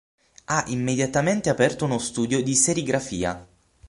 Ha immediatamente aperto uno studio di serigrafia.